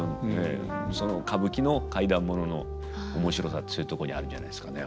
その歌舞伎の怪談物の面白さってそういうとこにあるんじゃないですかね